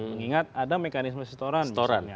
mengingat ada mekanisme setoran